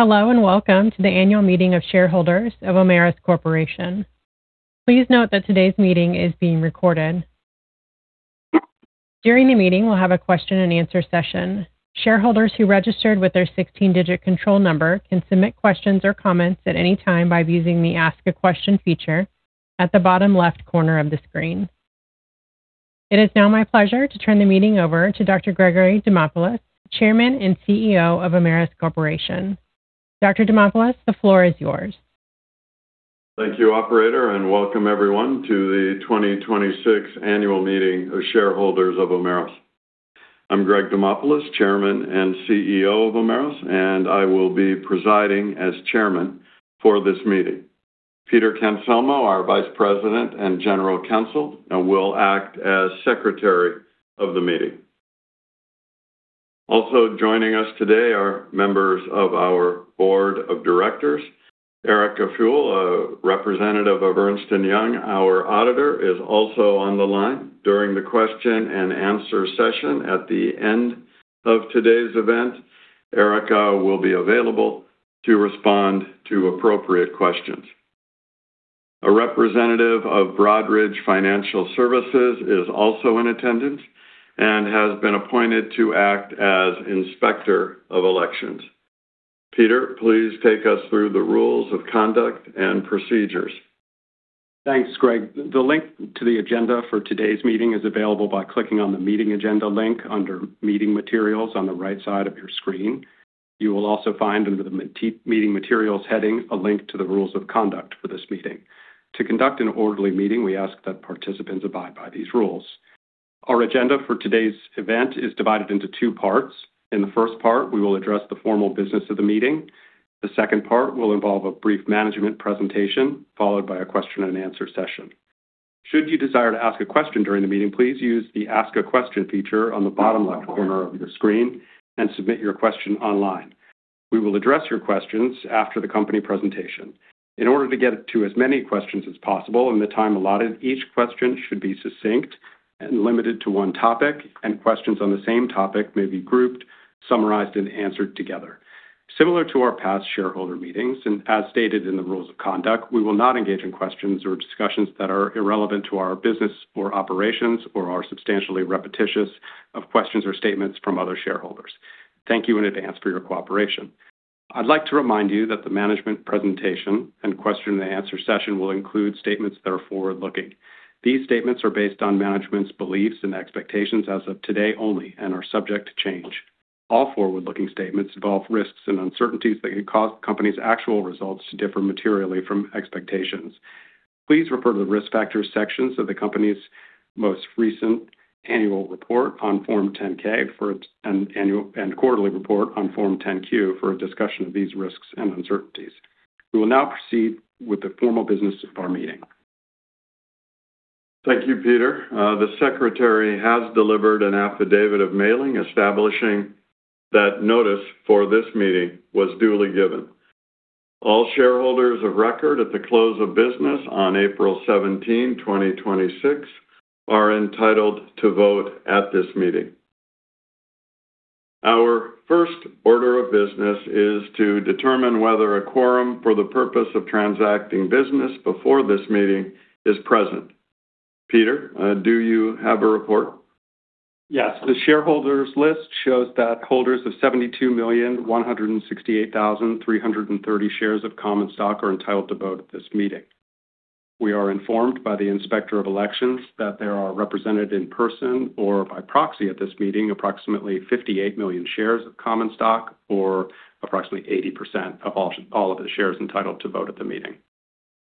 Hello. Welcome to the annual meeting of shareholders of Omeros Corporation. Please note that today's meeting is being recorded. During the meeting, we will have a question-and-answer session. Shareholders who registered with their 16-digit control number can submit questions or comments at any time by using the Ask a Question feature at the bottom left corner of the screen. It is now my pleasure to turn the meeting over to Dr. Gregory Demopulos, Chairman and CEO of Omeros Corporation. Dr. Demopulos, the floor is yours. Thank you, operator. Welcome everyone to the 2026 annual meeting of shareholders of Omeros. I am Greg Demopulos, Chairman and CEO of Omeros. I will be presiding as chairman for this meeting. Peter Cancelmo, our Vice President and General Counsel, will act as secretary of the meeting. Also joining us today are members of our board of directors. Erica Fewel, a representative of Ernst & Young, our auditor, is also on the line. During the question-and-answer session at the end of today's event, Erica will be available to respond to appropriate questions. A representative of Broadridge Financial Solutions is also in attendance and has been appointed to act as Inspector of Elections. Peter, please take us through the rules of conduct and procedures. Thanks, Greg. The link to the agenda for today's meeting is available by clicking on the Meeting Agenda link under Meeting Materials on the right side of your screen. You will also find under the Meeting Materials heading a link to the rules of conduct for this meeting. To conduct an orderly meeting, we ask that participants abide by these rules. Our agenda for today's event is divided into two parts. In the first part, we will address the formal business of the meeting. The second part will involve a brief management presentation, followed by a question-and-answer session. Should you desire to ask a question during the meeting, please use the Ask a Question feature on the bottom left corner of your screen and submit your question online. We will address your questions after the company presentation. In order to get to as many questions as possible in the time allotted, each question should be succinct and limited to one topic. Questions on the same topic may be grouped, summarized, and answered together. Similar to our past shareholder meetings. As stated in the rules of conduct, we will not engage in questions or discussions that are irrelevant to our business or operations or are substantially repetitious of questions or statements from other shareholders. Thank you in advance for your cooperation. I would like to remind you that the management presentation and question-and-answer session will include statements that are forward-looking. These statements are based on management's beliefs and expectations as of today only and are subject to change. All forward-looking statements involve risks and uncertainties that could cause the company's actual results to differ materially from expectations. Please refer to the Risk Factors sections of the company's most recent annual report on Form 10-K and quarterly report on Form 10-Q for a discussion of these risks and uncertainties. We will now proceed with the formal business of our meeting. Thank you, Peter. The secretary has delivered an affidavit of mailing establishing that notice for this meeting was duly given. All shareholders of record at the close of business on April 17, 2026, are entitled to vote at this meeting. Our first order of business is to determine whether a quorum for the purpose of transacting business before this meeting is present. Peter, do you have a report? Yes. The shareholders list shows that holders of 72,168,330 shares of common stock are entitled to vote at this meeting. We are informed by the Inspector of Elections that there are represented in person or by proxy at this meeting approximately 58 million shares of common stock, or approximately 80% of all of the shares entitled to vote at the meeting.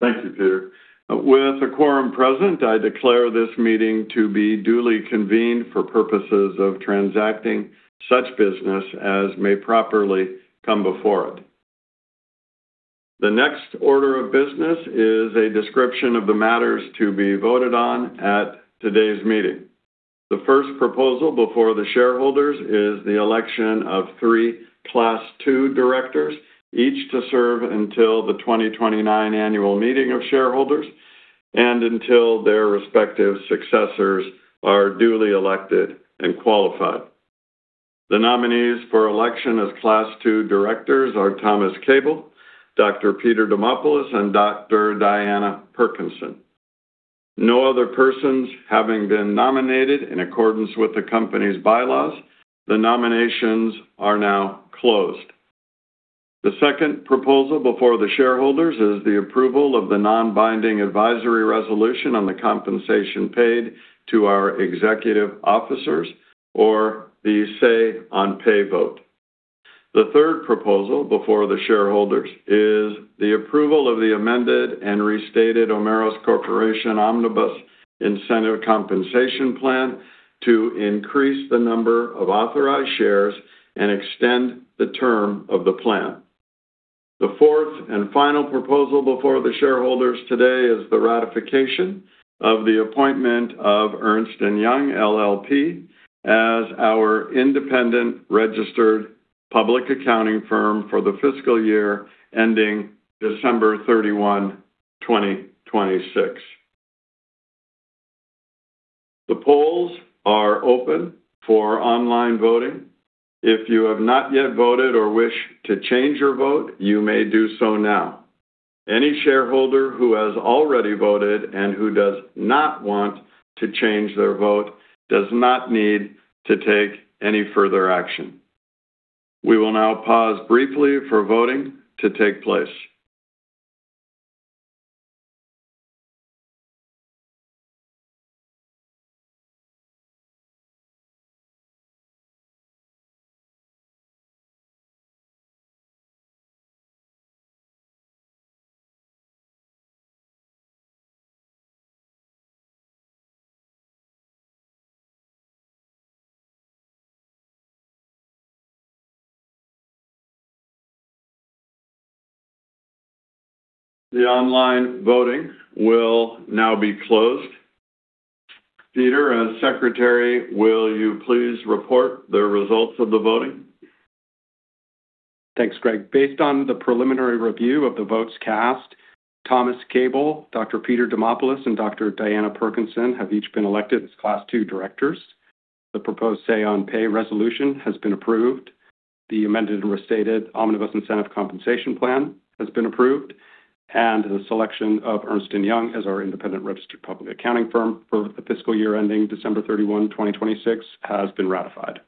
Thank you, Peter. With a quorum present, I declare this meeting to be duly convened for purposes of transacting such business as may properly come before it. The next order of business is a description of the matters to be voted on at today's meeting. The first proposal before the shareholders is the election of three Class II directors, each to serve until the 2029 annual meeting of shareholders and until their respective successors are duly elected and qualified. The nominees for election as Class II directors are Thomas Cable, Dr. Peter Demopulos, and Dr. Diana Perkinson. No other persons having been nominated in accordance with the company's bylaws, the nominations are now closed. The second proposal before the shareholders is the approval of the non-binding advisory resolution on the compensation paid to our executive officers or the Say on Pay vote. The third proposal before the shareholders is the approval of the amended and restated Omeros Corporation Omnibus Incentive Compensation Plan to increase the number of authorized shares and extend the term of the plan. The fourth and final proposal before the shareholders today is the ratification of the appointment of Ernst & Young LLP as our independent registered public accounting firm for the fiscal year ending December 31, 2026. The polls are open for online voting. If you have not yet voted or wish to change your vote, you may do so now. Any shareholder who has already voted and who does not want to change their vote does not need to take any further action. We will now pause briefly for voting to take place. The online voting will now be closed. Peter, as secretary, will you please report the results of the voting? Thanks, Greg. Based on the preliminary review of the votes cast, Thomas Cable, Dr. Peter Demopulos, and Dr. Diana Perkinson have each been elected as Class II directors. The proposed Say on Pay resolution has been approved. The amended and restated Omnibus Incentive Compensation Plan has been approved, and the selection of Ernst & Young as our independent registered public accounting firm for the fiscal year ending December 31, 2026, has been ratified.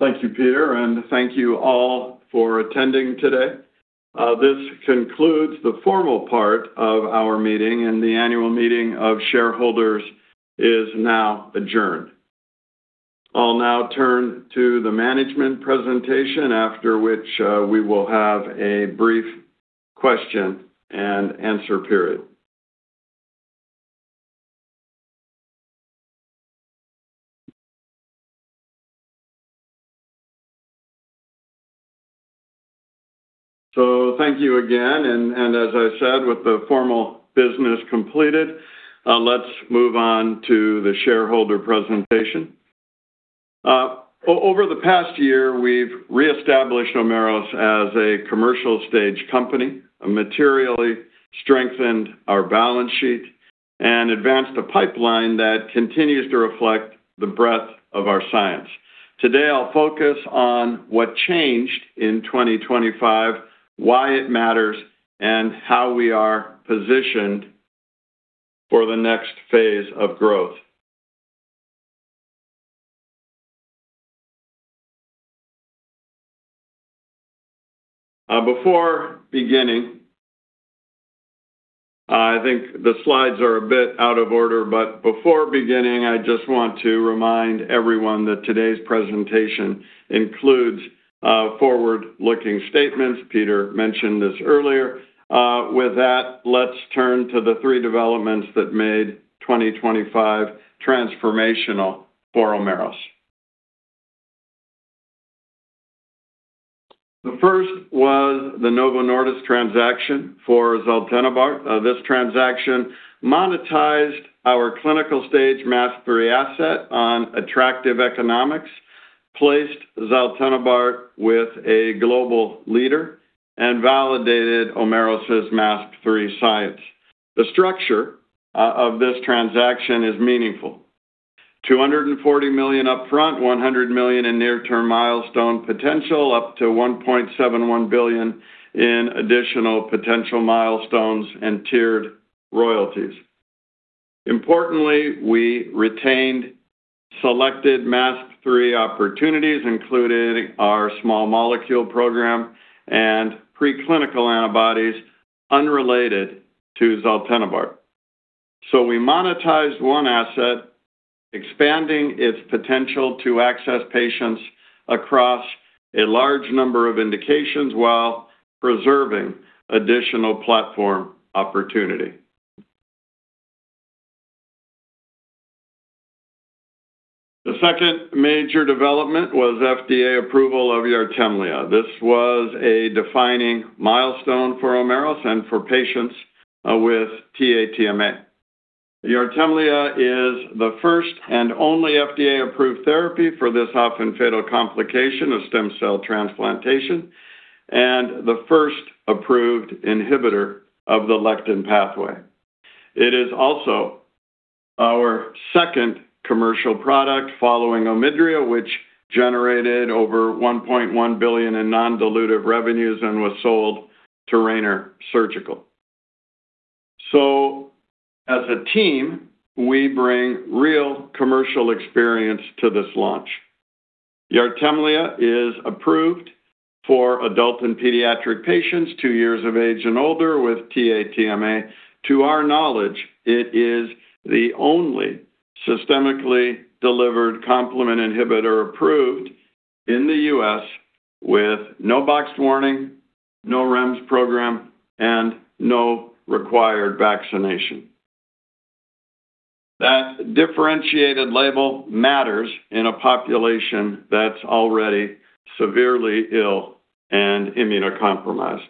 Thank you, Peter, and thank you all for attending today. This concludes the formal part of our meeting, and the annual meeting of shareholders is now adjourned. I'll now turn to the management presentation, after which we will have a brief question-and-answer period. Thank you again, and as I said, with the formal business completed, let's move on to the shareholder presentation. Over the past year, we've reestablished Omeros as a commercial-stage company, materially strengthened our balance sheet, and advanced a pipeline that continues to reflect the breadth of our science. Today, I'll focus on what changed in 2025, why it matters, and how we are positioned for the next phase of growth. Before beginning, I think the slides are a bit out of order, before beginning, I just want to remind everyone that today's presentation includes forward-looking statements. Peter mentioned this earlier. With that, let's turn to the three developments that made 2025 transformational for Omeros. The first was the Novo Nordisk transaction for zaltenibart. This transaction monetized our clinical-stage MASP-3 asset on attractive economics, placed zaltenibart with a global leader, and validated Omeros' MASP-3 science. The structure of this transaction is meaningful. $240 million upfront, $100 million in near-term milestone potential, up to $1.71 billion in additional potential milestones and tiered royalties. Importantly, we retained selected MASP-3 opportunities, including our small molecule program and preclinical antibodies unrelated to zaltenibart. We monetized one asset, expanding its potential to access patients across a large number of indications while preserving additional platform opportunity. The second major development was FDA approval of YARTEMLEA. This was a defining milestone for Omeros and for patients with TA-TMA. YARTEMLEA is the first and only FDA-approved therapy for this often fatal complication of stem cell transplantation and the first approved inhibitor of the lectin pathway. It is also our second commercial product following OMIDRIA, which generated over $1.1 billion in non-dilutive revenues and was sold to Rayner Surgical Group. As a team, we bring real commercial experience to this launch. YARTEMLEA is approved for adult and pediatric patients two years of age and older with TA-TMA. To our knowledge, it is the only systemically delivered complement inhibitor approved in the U.S. with no boxed warning, no REMS program, and no required vaccination. That differentiated label matters in a population that's already severely ill and immunocompromised.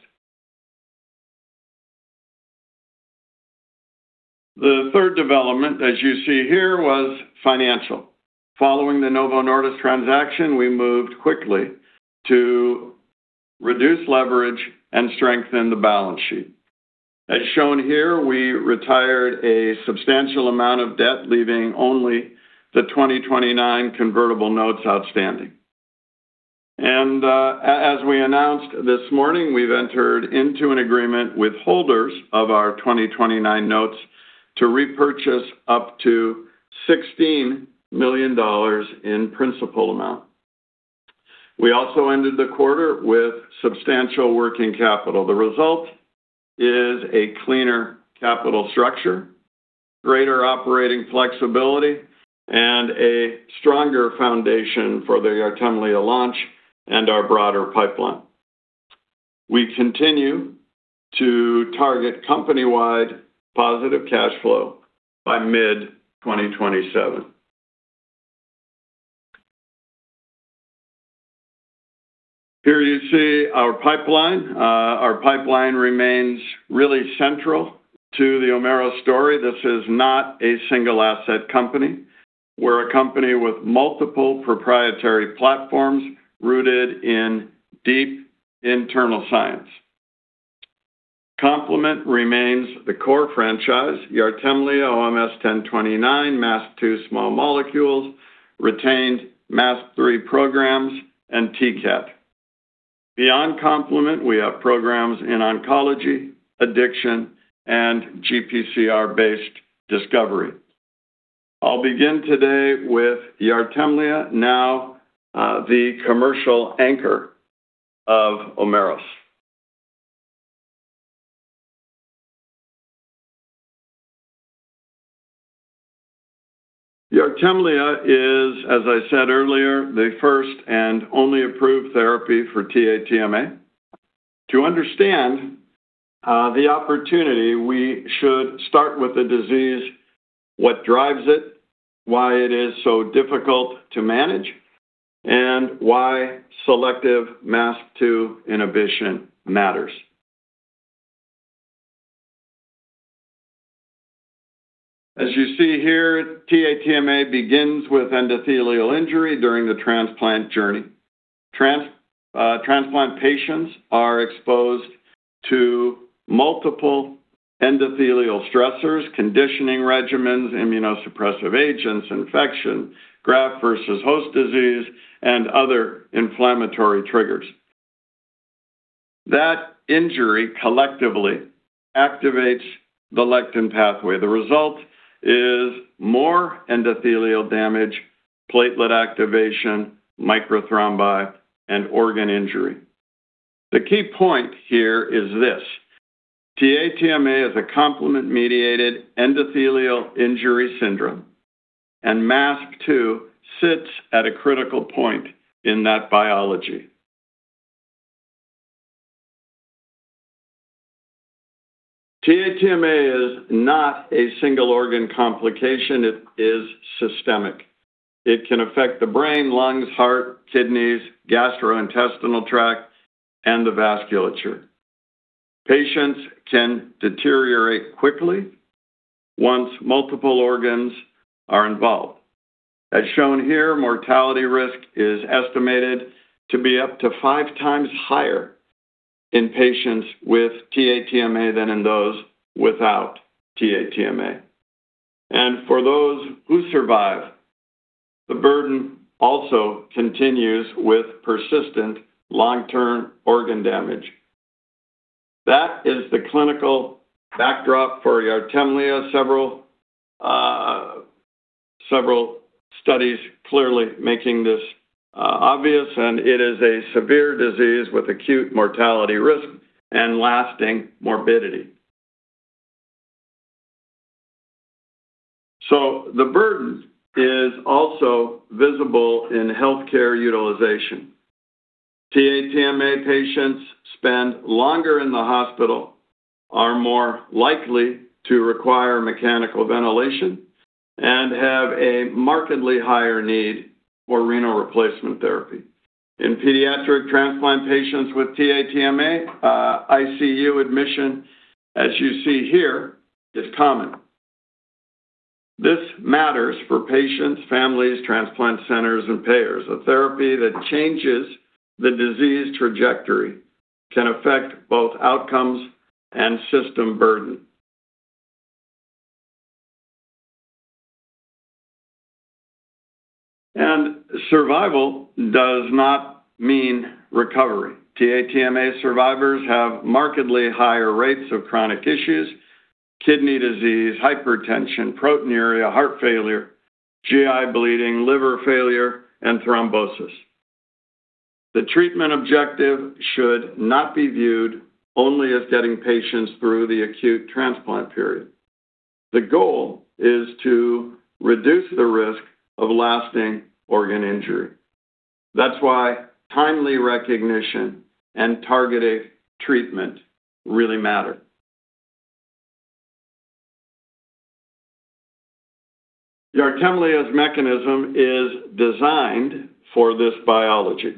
The third development, as you see here, was financial. Following the Novo Nordisk transaction, we moved quickly to reduce leverage and strengthen the balance sheet. As shown here, we retired a substantial amount of debt, leaving only the 2029 convertible notes outstanding. As we announced this morning, we've entered into an agreement with holders of our 2029 notes to repurchase up to $16 million in principal amount. We also ended the quarter with substantial working capital. The result is a cleaner capital structure, greater operating flexibility, and a stronger foundation for the YARTEMLEA launch and our broader pipeline. We continue to target company-wide positive cash flow by mid-2027. Here you see our pipeline. Our pipeline remains really central to the Omeros story. This is not a single asset company. We're a company with multiple proprietary platforms rooted in deep internal science. Complement remains the core franchise. YARTEMLEA, OMS1029, MASP-2 small molecules, retained MASP-3 programs, and T-CAT. Beyond complement, we have programs in oncology, addiction, and GPCR-based discovery. I'll begin today with YARTEMLEA, now the commercial anchor of Omeros. YARTEMLEA is, as I said earlier, the first and only approved therapy for TA-TMA. To understand the opportunity, we should start with the disease, what drives it, why it is so difficult to manage, and why selective MASP-2 inhibition matters. As you see here, TA-TMA begins with endothelial injury during the transplant journey. Transplant patients are exposed to multiple endothelial stressors, conditioning regimens, immunosuppressive agents, infection, graft versus host disease, and other inflammatory triggers. That injury collectively activates the lectin pathway. The result is more endothelial damage, platelet activation, microthrombi, and organ injury. The key point here is this. TA-TMA is a complement-mediated endothelial injury syndrome, and MASP-2 sits at a critical point in that biology. TA-TMA is not a single organ complication. It is systemic. It can affect the brain, lungs, heart, kidneys, gastrointestinal tract, and the vasculature. Patients can deteriorate quickly once multiple organs are involved. As shown here, mortality risk is estimated to be up to five times higher in patients with TA-TMA than in those without TA-TMA. For those who survive, the burden also continues with persistent long-term organ damage. That is the clinical backdrop for YARTEMLEA. Several studies clearly making this obvious, it is a severe disease with acute mortality risk and lasting morbidity. The burden is also visible in healthcare utilization. TA-TMA patients spend longer in the hospital, are more likely to require mechanical ventilation, and have a markedly higher need for renal replacement therapy. In pediatric transplant patients with TA-TMA, ICU admission, as you see here, is common. This matters for patients, families, transplant centers, and payers. A therapy that changes the disease trajectory can affect both outcomes and system burden. Survival does not mean recovery. TA-TMA survivors have markedly higher rates of chronic issues, kidney disease, hypertension, proteinuria, heart failure, GI bleeding, liver failure, and thrombosis. The treatment objective should not be viewed only as getting patients through the acute transplant period. The goal is to reduce the risk of lasting organ injury. That's why timely recognition and targeted treatment really matter. YARTEMLEA's mechanism is designed for this biology.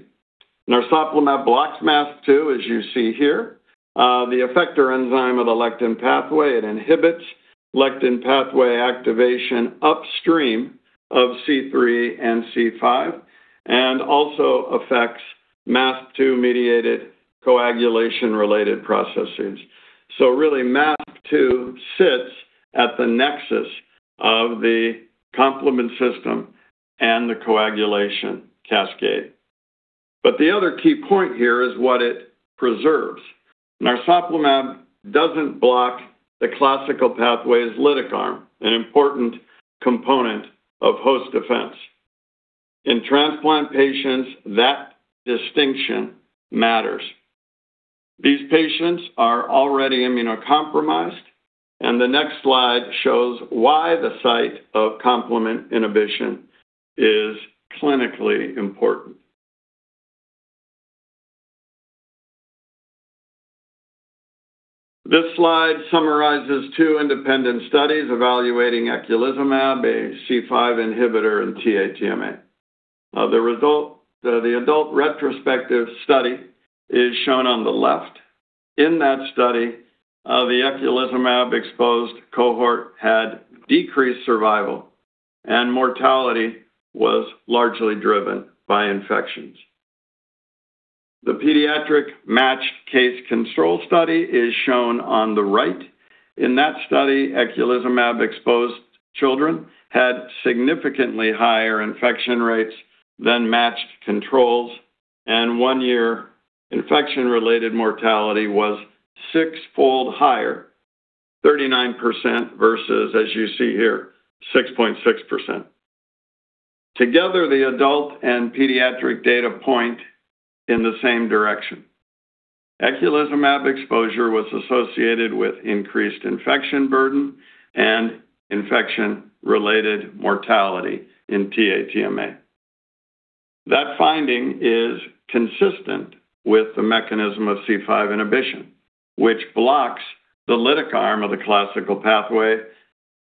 Narsoplimab blocks MASP-2, as you see here. The effector enzyme of the lectin pathway, it inhibits lectin pathway activation upstream of C3 and C5. Also affects MASP-2 mediated coagulation-related processes. Really, MASP-2 sits at the nexus of the complement system and the coagulation cascade. The other key point here is what it preserves. narsoplimab doesn't block the classical pathway's lytic arm, an important component of host defense. In transplant patients, that distinction matters. These patients are already immunocompromised, and the next slide shows why the site of complement inhibition is clinically important. This slide summarizes two independent studies evaluating eculizumab, a C5 inhibitor in TA-TMA. The adult retrospective study is shown on the left. In that study, the eculizumab-exposed cohort had decreased survival, and mortality was largely driven by infections. The pediatric matched case control study is shown on the right. In that study, eculizumab-exposed children had significantly higher infection rates than matched controls, and one-year infection-related mortality was sixfold higher, 39% versus, as you see here, 6.6%. Together, the adult and pediatric data point in the same direction. eculizumab exposure was associated with increased infection burden and infection-related mortality in TA-TMA. That finding is consistent with the mechanism of C5 inhibition, which blocks the lytic arm of the classical pathway,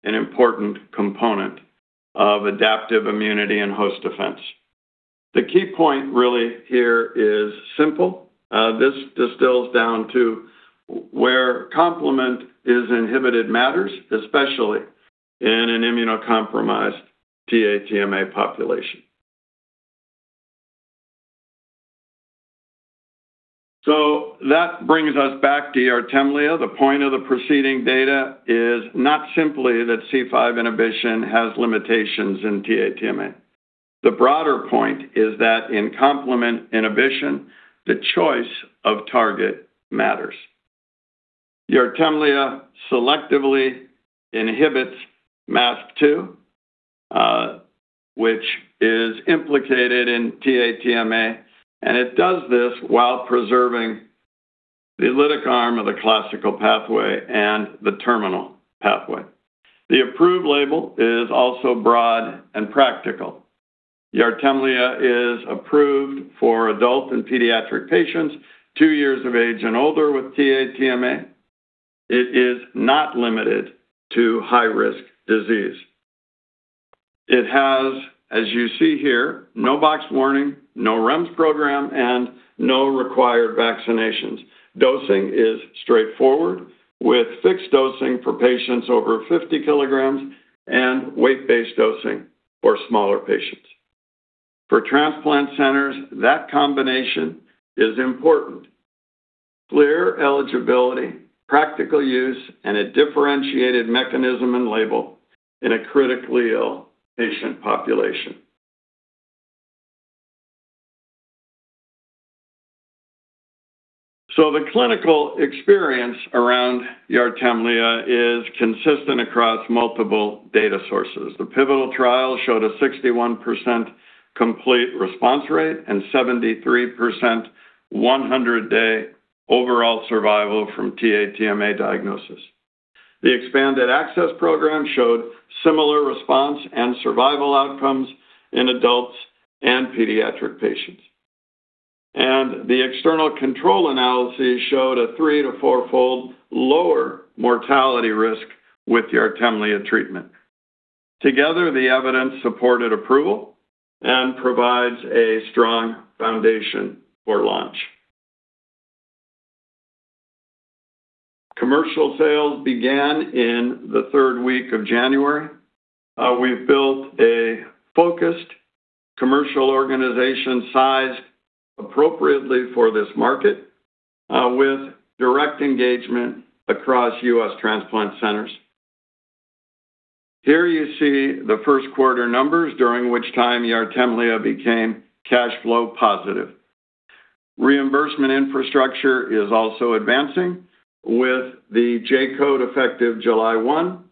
an important component of adaptive immunity and host defense. The key point really here is simple. This distills down to where complement is inhibited matters, especially in an immunocompromised TA-TMA population. That brings us back to YARTEMLEA. The point of the preceding data is not simply that C5 inhibition has limitations in TA-TMA. The broader point is that in complement inhibition, the choice of target matters. YARTEMLEA selectively inhibits MASP-2, which is implicated in TA-TMA, and it does this while preserving the lytic arm of the classical pathway and the terminal pathway. The approved label is also broad and practical. YARTEMLEA is approved for adult and pediatric patients two years of age and older with TA-TMA. It is not limited to high-risk disease. It has, as you see here, no Box Warning, no REMS program, and no required vaccinations. Dosing is straightforward, with fixed dosing for patients over 50 kg and weight-based dosing for smaller patients. For transplant centers, that combination is important. Clear eligibility, practical use, and a differentiated mechanism and label in a critically ill patient population. The clinical experience around YARTEMLEA is consistent across multiple data sources. The pivotal trial showed a 61% complete response rate and 73% 100-day overall survival from TA-TMA diagnosis. The Expanded Access Program showed similar response and survival outcomes in adults and pediatric patients. The external control analysis showed a three to fourfold lower mortality risk with YARTEMLEA treatment. Together, the evidence supported approval and provides a strong foundation for launch. Commercial sales began in the third week of January. We've built a focused commercial organization sized appropriately for this market, with direct engagement across U.S. transplant centers. Here you see the first quarter numbers, during which time YARTEMLEA became cash flow positive. Reimbursement infrastructure is also advancing, with the J-code effective July 1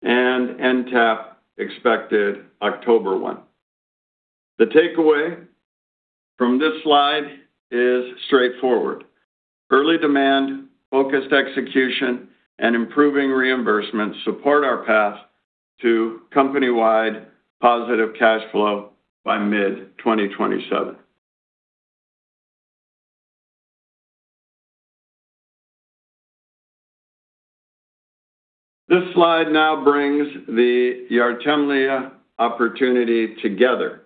and NTAP expected October 1. The takeaway from this slide is straightforward. Early demand, focused execution, and improving reimbursement support our path to company-wide positive cash flow by mid-2027. This slide now brings the YARTEMLEA opportunity together.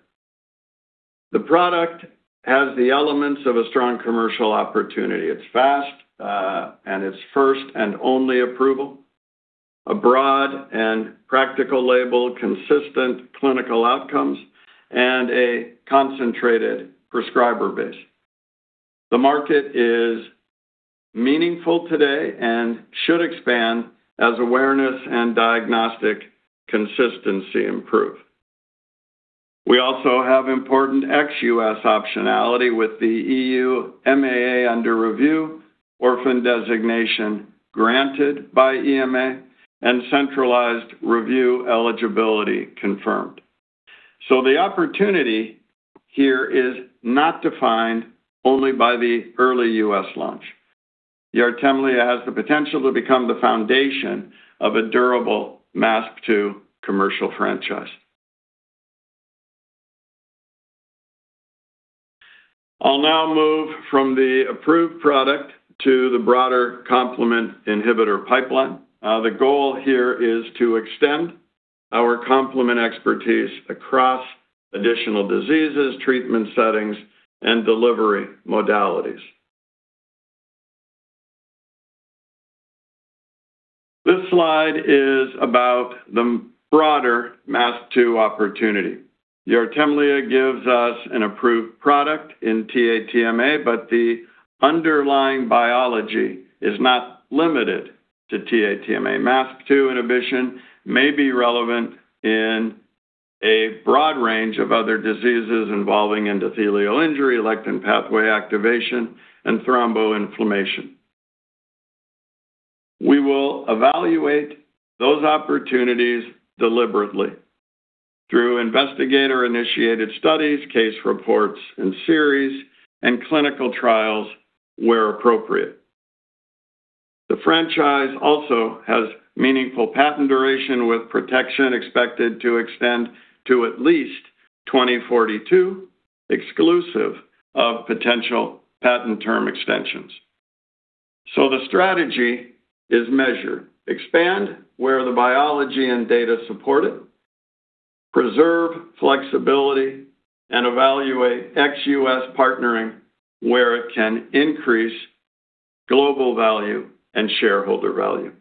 The product has the elements of a strong commercial opportunity. It is fast, and it is first and only approval. A broad and practical label, consistent clinical outcomes, and a concentrated prescriber base. The market is meaningful today and should expand as awareness and diagnostic consistency improve. We also have important ex-U.S. optionality with the EU MAA under review, orphan designation granted by EMA, and centralized review eligibility confirmed. The opportunity here is not defined only by the early U.S. launch. YARTEMLEA has the potential to become the foundation of a durable MASP-2 commercial franchise. I will now move from the approved product to the broader complement inhibitor pipeline. The goal here is to extend our complement expertise across additional diseases, treatment settings, and delivery modalities. This slide is about the broader MASP-2 opportunity. YARTEMLEA gives us an approved product in TA-TMA, but the underlying biology is not limited to TA-TMA. MASP-2 inhibition may be relevant in a broad range of other diseases involving endothelial injury, lectin pathway activation, and thromboinflammation. We will evaluate those opportunities deliberately through investigator-initiated studies, case reports, and series, and clinical trials where appropriate. The franchise also has meaningful patent duration with protection expected to extend to at least 2042, exclusive of potential patent term extensions. The strategy is measure, expand where the biology and data support it, preserve flexibility, and evaluate ex-U.S. partnering where it can increase global value and shareholder value.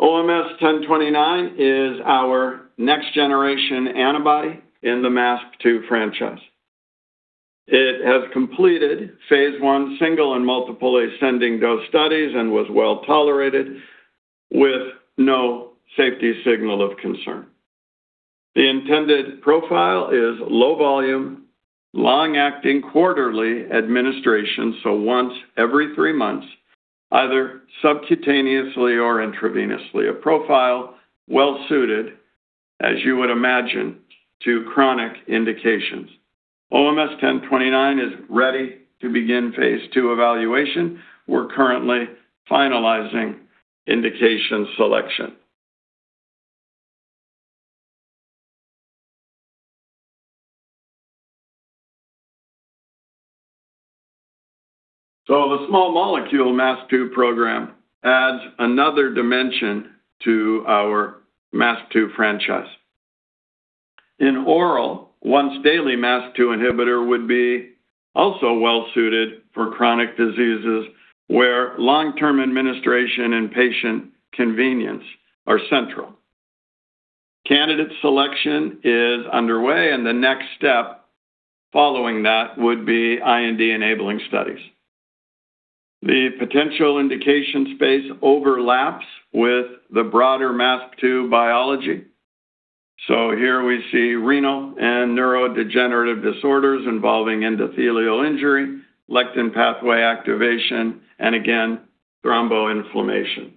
OMS1029 is our next-generation antibody in the MASP-2 franchise. It has completed phase I single and multiple ascending dose studies and was well-tolerated with no safety signal of concern. The intended profile is low volume, long-acting, quarterly administration, once every three months, either subcutaneously or intravenously. A profile well-suited, as you would imagine, to chronic indications. OMS1029 is ready to begin phase II evaluation. We are currently finalizing indication selection. The small molecule MASP-2 program adds another dimension to our MASP-2 franchise. An oral once-daily MASP-2 inhibitor would be also well-suited for chronic diseases where long-term administration and patient convenience are central. Candidate selection is underway, and the next step following that would be IND-enabling studies. The potential indication space overlaps with the broader MASP-2 biology. Here we see renal and neurodegenerative disorders involving endothelial injury, lectin pathway activation, and again, thromboinflammation.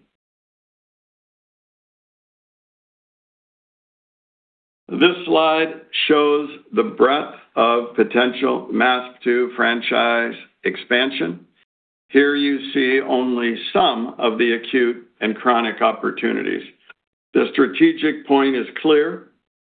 This slide shows the breadth of potential MASP-2 franchise expansion. Here you see only some of the acute and chronic opportunities. The strategic point is clear.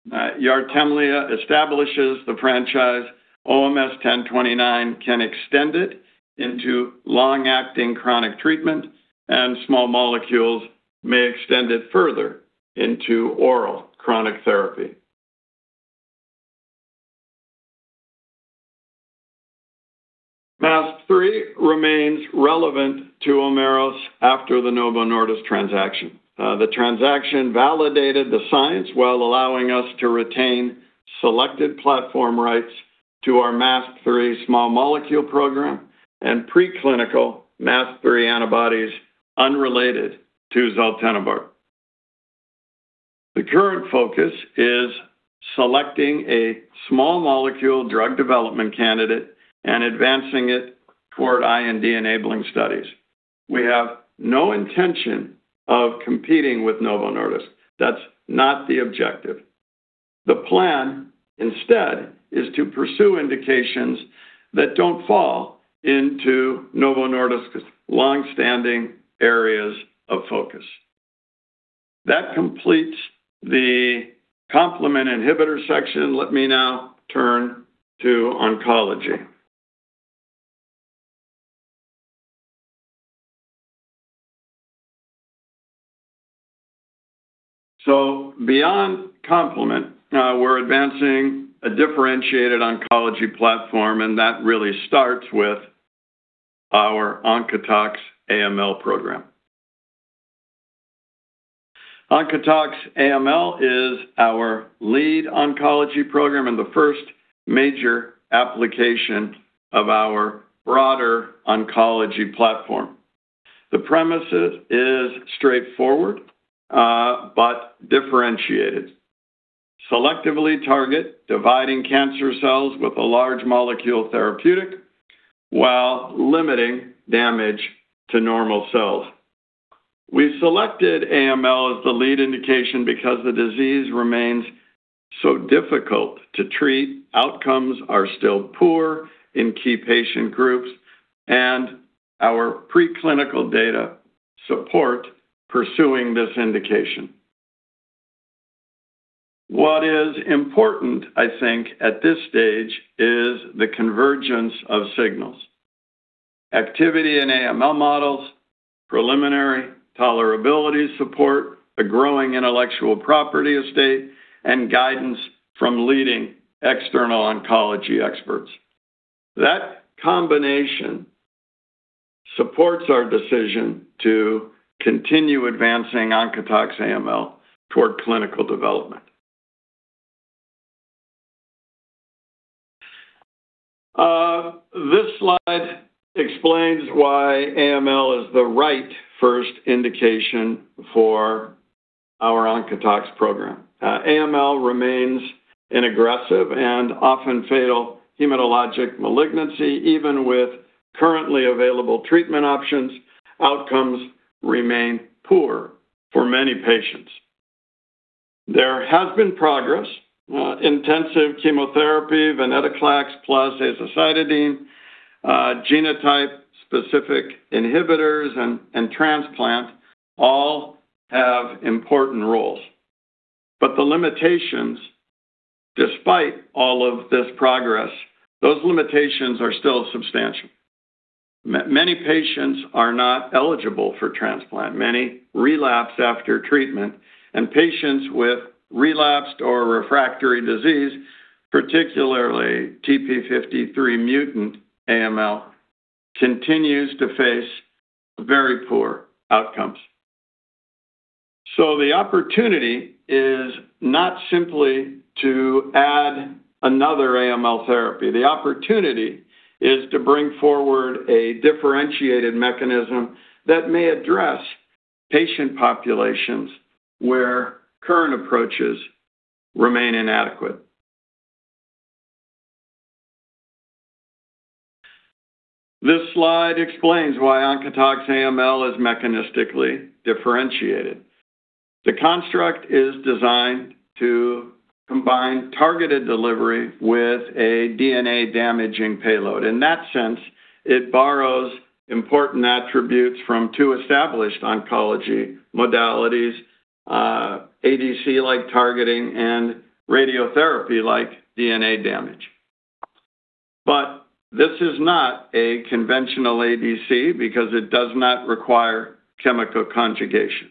YARTEMLEA establishes the franchise. OMS1029 can extend it into long-acting chronic treatment, and small molecules may extend it further into oral chronic therapy. MASP-3 remains relevant to Omeros after the Novo Nordisk transaction. The transaction validated the science while allowing us to retain selected platform rights to our MASP-3 small molecule program and pre-clinical MASP-3 antibodies unrelated to zaltenibart. The current focus is selecting a small molecule drug development candidate and advancing it toward IND-enabling studies. We have no intention of competing with Novo Nordisk. That is not the objective. The plan instead is to pursue indications that do not fall into Novo Nordisk's longstanding areas of focus. That completes the complement inhibitor section. Let me now turn to oncology. Beyond complement, we're advancing a differentiated oncology platform, and that really starts with our OncotoX-AML program. OncotoX-AML is our lead oncology program and the first major application of our broader oncology platform. The premise is straightforward but differentiated. Selectively target dividing cancer cells with a large molecule therapeutic while limiting damage to normal cells. We've selected AML as the lead indication because the disease remains so difficult to treat, outcomes are still poor in key patient groups, and our preclinical data support pursuing this indication. What is important, I think, at this stage, is the convergence of signals. Activity in AML models, preliminary tolerability support, a growing intellectual property estate, and guidance from leading external oncology experts. That combination supports our decision to continue advancing OncotoX-AML toward clinical development. This slide explains why AML is the right first indication for our OncotoX program. AML remains an aggressive and often fatal hematologic malignancy. Even with currently available treatment options, outcomes remain poor for many patients. There has been progress. Intensive chemotherapy, venetoclax plus azacitidine, genotype-specific inhibitors, and transplant all have important roles. The limitations, despite all of this progress, those limitations are still substantial. Many patients are not eligible for transplant. Many relapse after treatment, and patients with relapsed or refractory disease, particularly TP53 mutant AML, continues to face very poor outcomes. The opportunity is not simply to add another AML therapy. The opportunity is to bring forward a differentiated mechanism that may address patient populations where current approaches remain inadequate. This slide explains why OncotoX-AML is mechanistically differentiated. The construct is designed to combine targeted delivery with a DNA-damaging payload. In that sense, it borrows important attributes from two established oncology modalities, ADC-like targeting and radiotherapy like DNA damage. This is not a conventional ADC because it does not require chemical conjugation,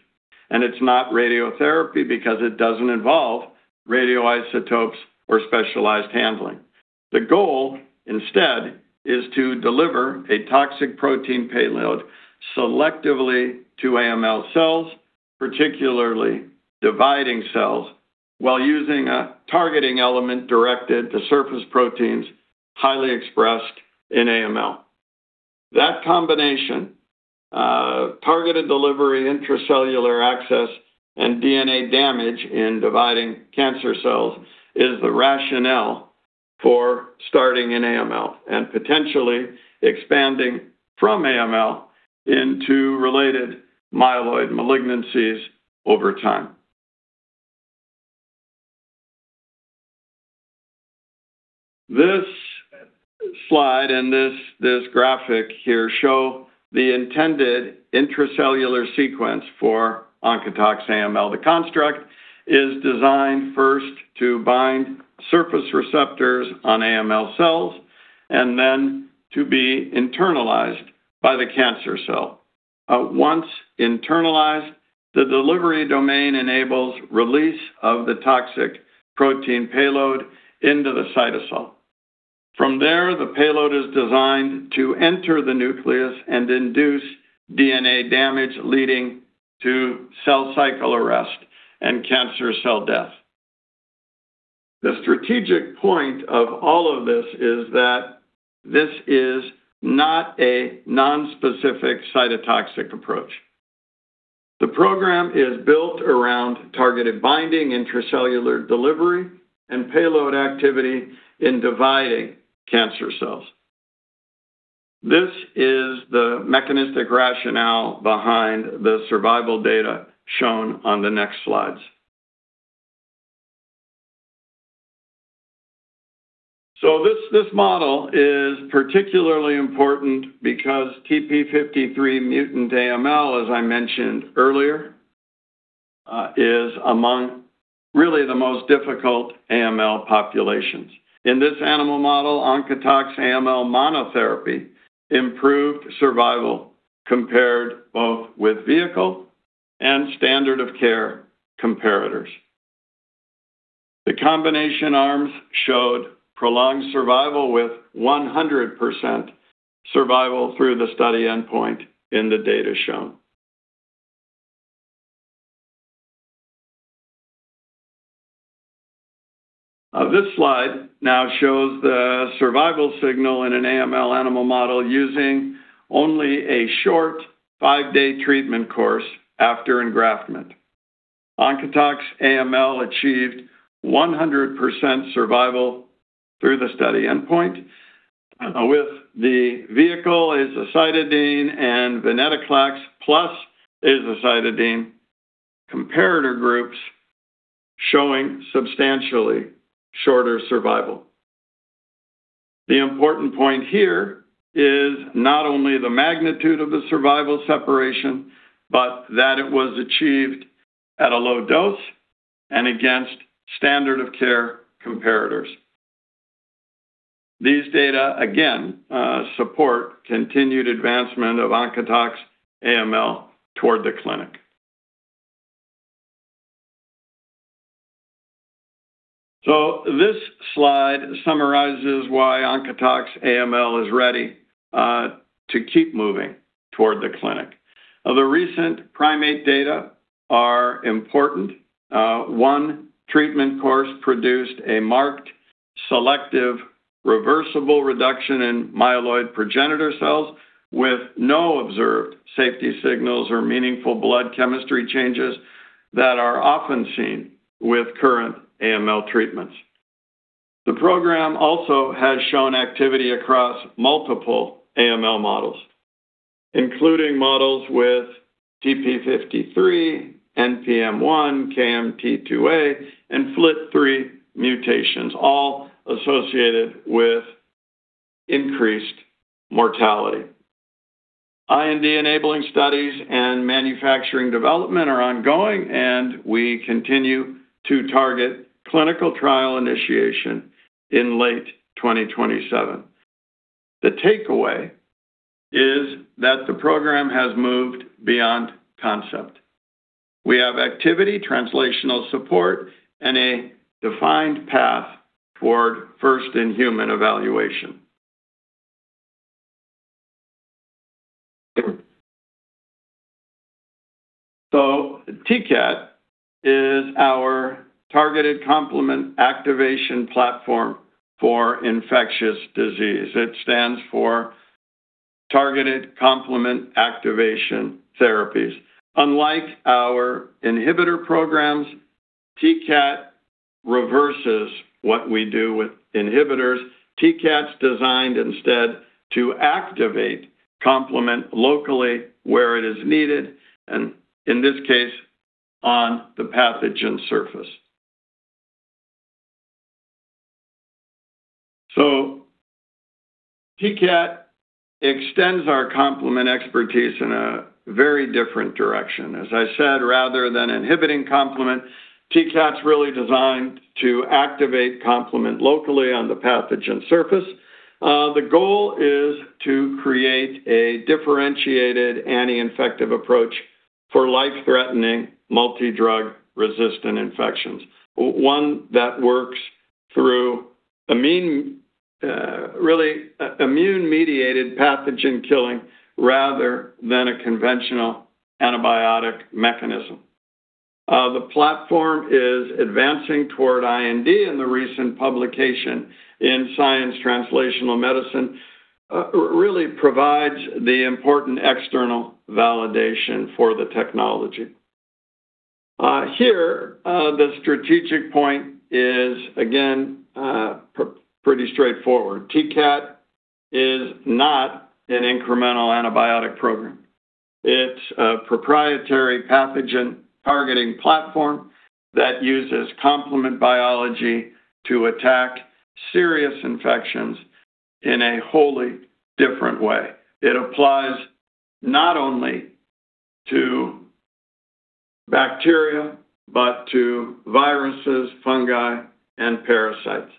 and it's not radiotherapy because it doesn't involve radioisotopes or specialized handling. The goal, instead, is to deliver a toxic protein payload selectively to AML cells, particularly dividing cells, while using a targeting element directed to surface proteins highly expressed in AML. That combination, targeted delivery, intracellular access, and DNA damage in dividing cancer cells, is the rationale for starting in AML and potentially expanding from AML into related myeloid malignancies over time. This slide and this graphic here show the intended intracellular sequence for OncotoX-AML. The construct is designed first to bind surface receptors on AML cells and then to be internalized by the cancer cell. Once internalized, the delivery domain enables release of the toxic protein payload into the cytosol. From there, the payload is designed to enter the nucleus and induce DNA damage, leading to cell cycle arrest and cancer cell death. The strategic point of all of this is that this is not a nonspecific cytotoxic approach. The program is built around targeted binding, intracellular delivery, and payload activity in dividing cancer cells. This is the mechanistic rationale behind the survival data shown on the next slides. This model is particularly important because TP53 mutant AML, as I mentioned earlier, is among really the most difficult AML populations. In this animal model, OncotoX-AML monotherapy improved survival compared both with vehicle and standard of care comparators. The combination arms showed prolonged survival with 100% survival through the study endpoint in the data shown. This slide now shows the survival signal in an AML animal model using only a short five-day treatment course after engraftment. OncotoX-AML achieved 100% survival through the study endpoint. With the vehicle is azacitidine and venetoclax plus azacitidine comparator groups showing substantially shorter survival. The important point here is not only the magnitude of the survival separation, but that it was achieved at a low dose and against standard of care comparators. These data, again, support continued advancement of OncotoX-AML toward the clinic. This slide summarizes why OncotoX-AML is ready to keep moving toward the clinic. The recent primate data are important. One treatment course produced a marked selective reversible reduction in myeloid progenitor cells with no observed safety signals or meaningful blood chemistry changes that are often seen with current AML treatments. The program also has shown activity across multiple AML models, including models with TP53, NPM1, KMT2A, and FLT3 mutations, all associated with increased mortality. IND-enabling studies and manufacturing development are ongoing, and we continue to target clinical trial initiation in late 2027. The takeaway is that the program has moved beyond concept. We have activity, translational support, and a defined path toward first-in-human evaluation. T-CAT is our targeted complement activation platform for infectious disease. It stands for targeted complement activation therapies. Unlike our inhibitor programs, T-CAT reverses what we do with inhibitors. T-CAT's designed instead to activate complement locally where it is needed, and in this case, on the pathogen surface. T-CAT extends our complement expertise in a very different direction. As I said, rather than inhibiting complement, T-CAT's really designed to activate complement locally on the pathogen surface. The goal is to create a differentiated anti-infective approach for life-threatening multi-drug resistant infections, one that works through immune-mediated pathogen killing rather than a conventional antibiotic mechanism. The platform is advancing toward IND in the recent publication in "Science Translational Medicine" really provides the important external validation for the technology. Here, the strategic point is, again, pretty straightforward. T-CAT is not an incremental antibiotic program. It's a proprietary pathogen targeting platform that uses complement biology to attack serious infections in a wholly different way. It applies not only to bacteria, but to viruses, fungi, and parasites.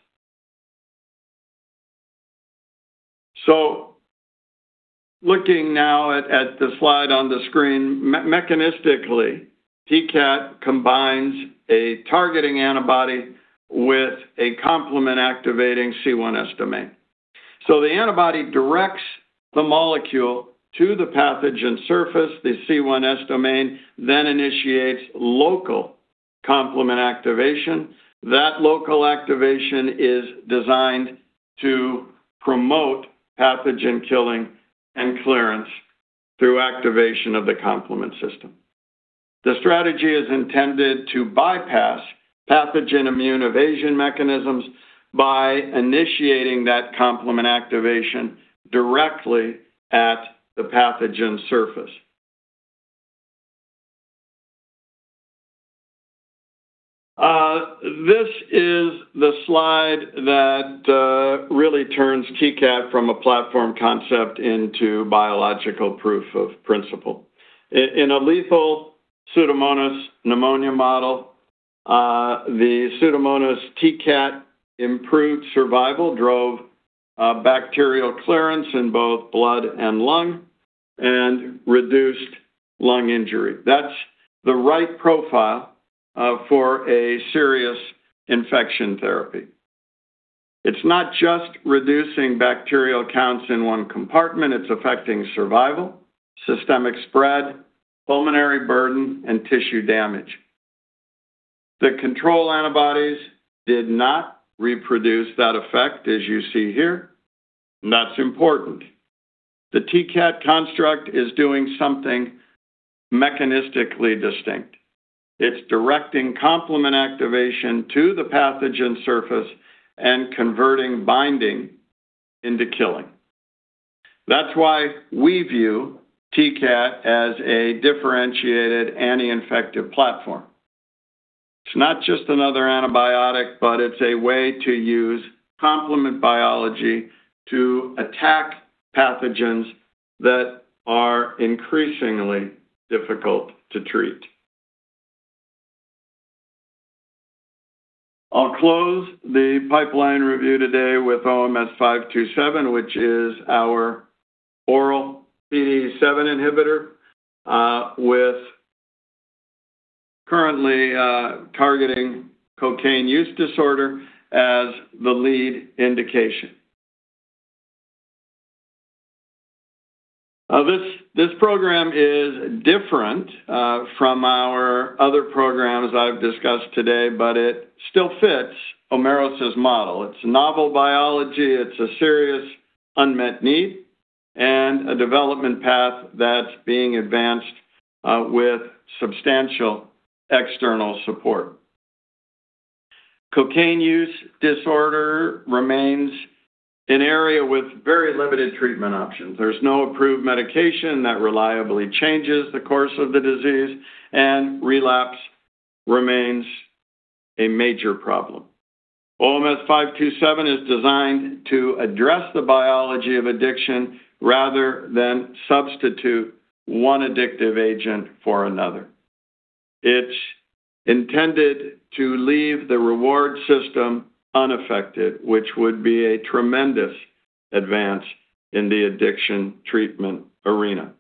Looking now at the slide on the screen, mechanistically, T-CAT combines a targeting antibody with a complement activating C1s domain. The antibody directs the molecule to the pathogen surface. The C1s domain then initiates local complement activation. That local activation is designed to promote pathogen killing and clearance through activation of the complement system. The strategy is intended to bypass pathogen immune evasion mechanisms by initiating that complement activation directly at the pathogen surface. This is the slide that turns T-CAT from a platform concept into biological proof of principle. In a lethal Pseudomonas pneumonia model, the Pseudomonas T-CAT improved survival, drove bacterial clearance in both blood and lung, and reduced lung injury. That's the right profile for a serious infection therapy. It's not just reducing bacterial counts in one compartment, it's affecting survival, systemic spread, pulmonary burden, and tissue damage. The control antibodies did not reproduce that effect, as you see here. That's important. The T-CAT construct is doing something mechanistically distinct. It's directing complement activation to the pathogen surface and converting binding into killing. That's why we view T-CAT as a differentiated anti-infective platform. It's not just another antibiotic, but it's a way to use complement biology to attack pathogens that are increasingly difficult to treat. I'll close the pipeline review today with OMS527, which is our oral PDE7 inhibitor, currently targeting cocaine use disorder as the lead indication. This program is different from our other programs I've discussed today, but it still fits Omeros' model. It's novel biology, it's a serious unmet need, and a development path that's being advanced with substantial external support. Cocaine use disorder remains an area with very limited treatment options. There's no approved medication that reliably changes the course of the disease, and relapse remains a major problem. OMS527 is designed to address the biology of addiction rather than substitute one addictive agent for another. It's intended to leave the reward system unaffected, which would be a tremendous advance in the addiction treatment arena.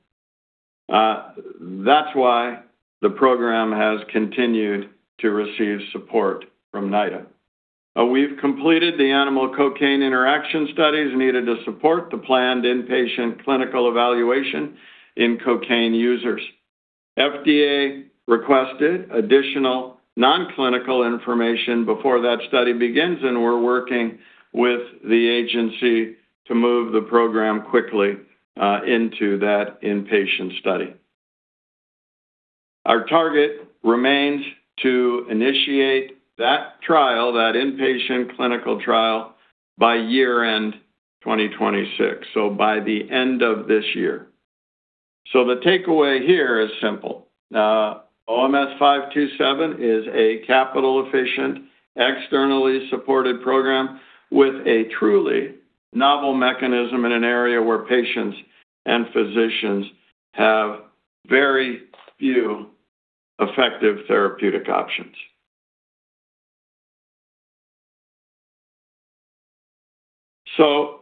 That's why the program has continued to receive support from NIDA. We've completed the animal cocaine interaction studies needed to support the planned inpatient clinical evaluation in cocaine users. FDA requested additional non-clinical information before that study begins, and we're working with the agency to move the program quickly into that inpatient study. Our target remains to initiate that trial, that inpatient clinical trial, by year-end 2026, so by the end of this year. The takeaway here is simple. OMS527 is a capital-efficient, externally supported program with a truly novel mechanism in an area where patients and physicians have very few effective therapeutic options.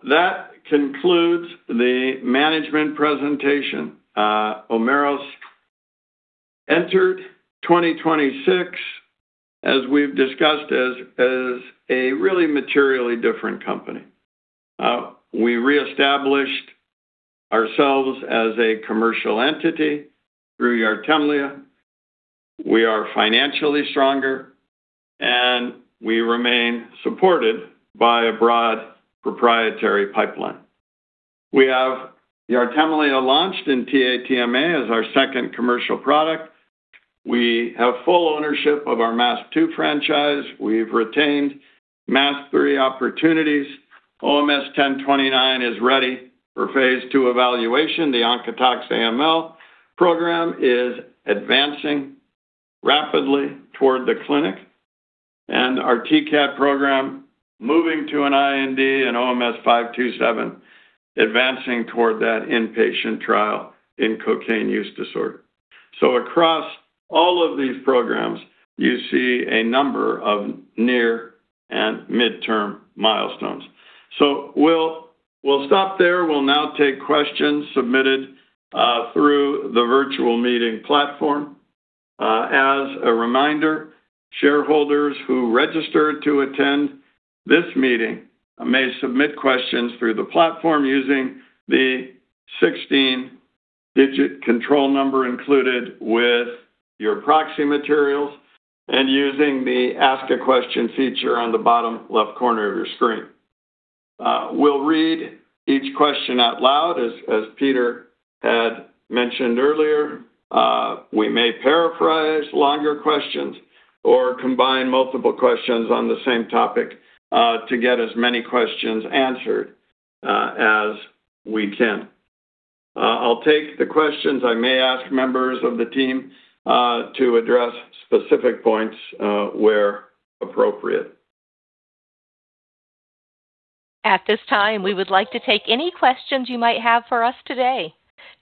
That concludes the management presentation. Omeros entered 2026, as we've discussed, as a really materially different company. We reestablished ourselves as a commercial entity through YARTEMLEA. We are financially stronger, and we remain supported by a broad proprietary pipeline. We have YARTEMLEA launched, and TA-TMA as our second commercial product. We have full ownership of our MASP-2 franchise. We've retained MASP-3 opportunities. OMS1029 is ready for phase II evaluation. The OncotoX-AML program is advancing rapidly toward the clinic, and our T-CAT program moving to an IND and OMS527 advancing toward that inpatient trial in cocaine use disorder. Across all of these programs, you see a number of near and midterm milestones. We'll stop there. We'll now take questions submitted through the virtual meeting platform. As a reminder, shareholders who registered to attend this meeting may submit questions through the platform using the 16-digit control number included with your proxy materials and using the Ask a Question feature on the bottom left corner of your screen. We'll read each question out loud. As Peter had mentioned earlier, we may paraphrase longer questions or combine multiple questions on the same topic to get as many questions answered as we can. I'll take the questions. I may ask members of the team to address specific points where appropriate. At this time, we would like to take any questions you might have for us today.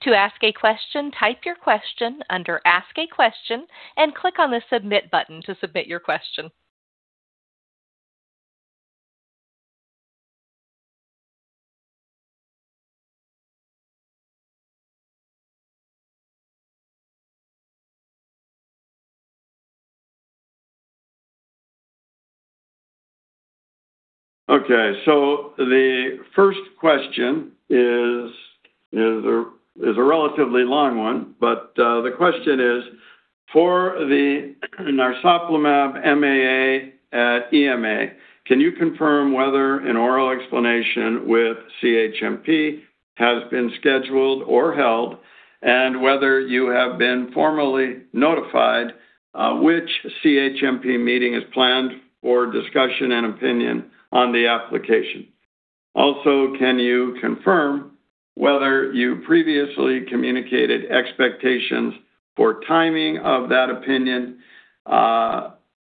To ask a question, type your question under Ask a Question and click on the Submit button to submit your question. The first question is a relatively long one, but the question is, for the narsoplimab MAA at EMA, can you confirm whether an oral explanation with CHMP has been scheduled or held, and whether you have been formally notified which CHMP meeting is planned for discussion and opinion on the application? Also, can you confirm whether you previously communicated expectations for timing of that opinion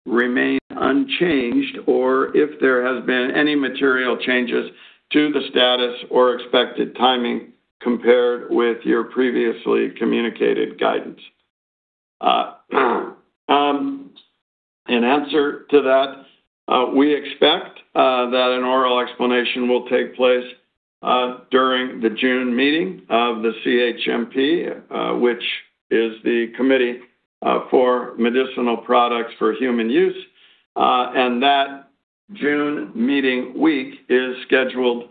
remain unchanged, or if there has been any material changes to the status or expected timing compared with your previously communicated guidance? In answer to that, we expect that an oral explanation will take place during the June meeting of the CHMP, which is the Committee for Medicinal Products for Human Use. That June meeting week is scheduled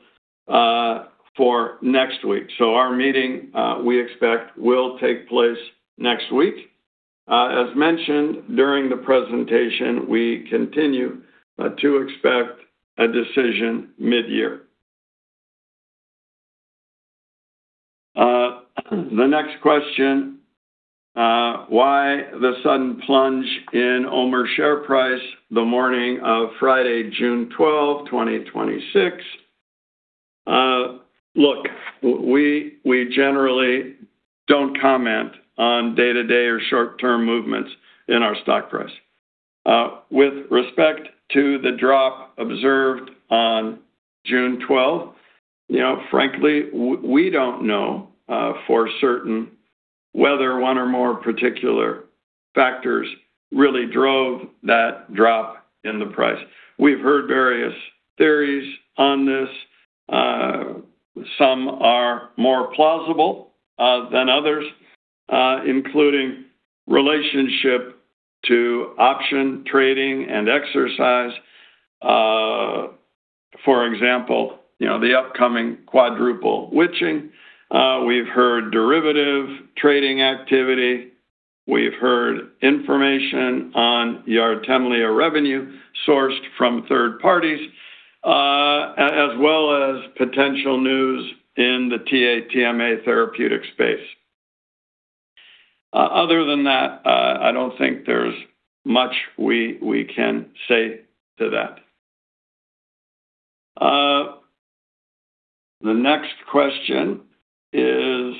for next week. Our meeting, we expect, will take place next week. As mentioned during the presentation, we continue to expect a decision mid-year. The next question, why the sudden plunge in Omeros share price the morning of Friday, June 12, 2026? Look, we generally don't comment on day-to-day or short-term movements in our stock price. With respect to the drop observed on June 12, frankly, we don't know for certain whether one or more particular factors really drove that drop in the price. We've heard various theories on this. Some are more plausible than others, including relationship to option trading and exercise. For example, the upcoming quadruple witching. We've heard derivative trading activity. We've heard information on YARTEMLEA revenue sourced from third parties, as well as potential news in the TA-TMA therapeutic space. Other than that, I don't think there's much we can say to that. The next question is,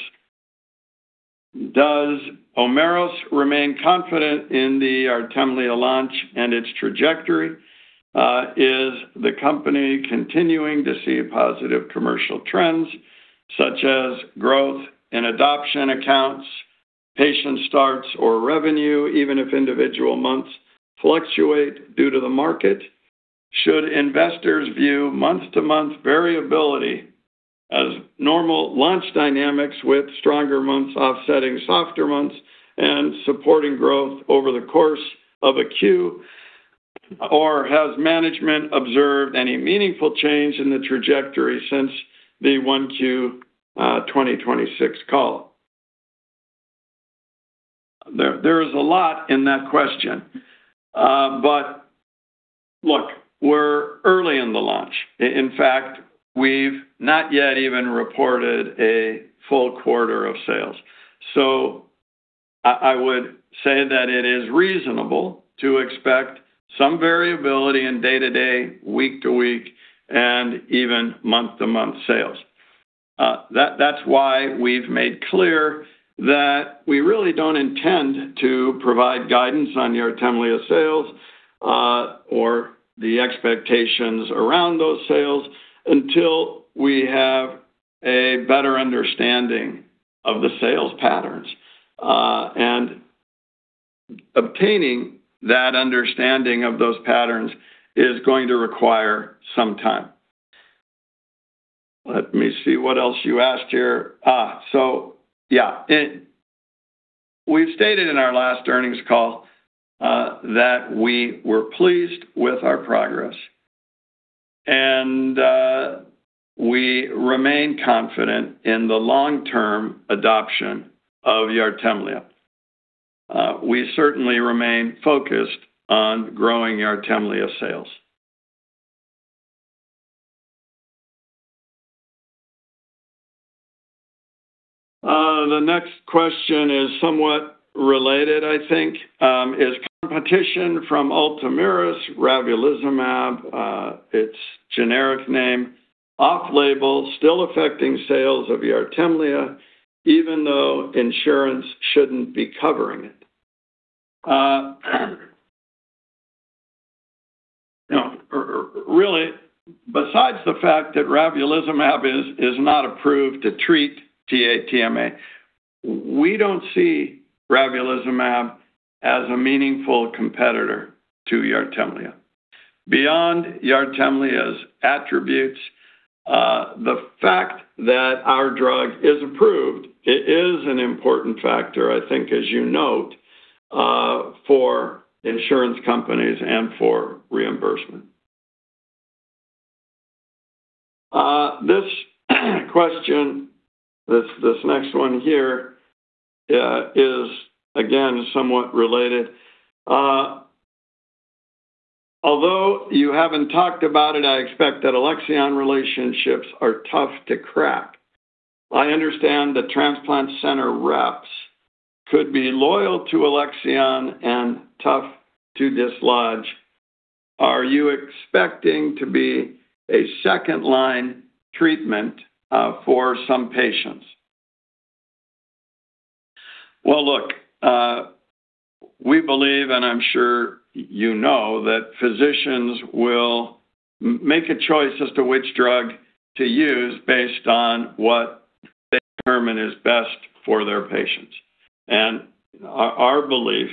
does Omeros remain confident in the YARTEMLEA launch and its trajectory? Is the company continuing to see positive commercial trends such as growth in adoption accounts, patient starts, or revenue, even if individual months fluctuate due to the market? Should investors view month-to-month variability as normal launch dynamics with stronger months offsetting softer months and supporting growth over the course of a Q? Has management observed any meaningful change in the trajectory since the 1Q 2026 call? There is a lot in that question. Look, we're early in the launch. In fact, we've not yet even reported a full quarter of sales. I would say that it is reasonable to expect some variability in day-to-day, week-to-week, and even month-to-month sales. That's why we've made clear that we really don't intend to provide guidance on YARTEMLEA sales or the expectations around those sales until we have a better understanding of the sales patterns. Obtaining that understanding of those patterns is going to require some time. Let me see what else you asked here. We've stated in our last earnings call that we were pleased with our progress. We remain confident in the long-term adoption of YARTEMLEA. We certainly remain focused on growing YARTEMLEA sales. The next question is somewhat related, I think. Is competition from ULTOMIRIS, ravulizumab, its generic name, off-label still affecting sales of YARTEMLEA even though insurance shouldn't be covering it? Really, besides the fact that ravulizumab is not approved to treat TA-TMA, we don't see ravulizumab as a meaningful competitor to YARTEMLEA. Beyond YARTEMLEA's attributes, the fact that our drug is approved, it is an important factor, I think as you note, for insurance companies and for reimbursement. This question, this next one here, is again, somewhat related. Although you haven't talked about it, I expect that Alexion relationships are tough to crack. I understand the transplant center reps could be loyal to Alexion and tough to dislodge. Are you expecting to be a second-line treatment for some patients? Well, look, we believe, and I'm sure you know, that physicians will make a choice as to which drug to use based on what they determine is best for their patients. Our belief,